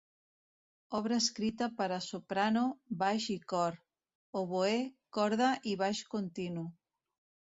Obra escrita per a soprano, baix i cor; oboè, corda i baix continu.